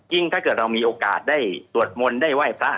ถ้าเกิดเรามีโอกาสได้สวดมนต์ได้ไหว้พระ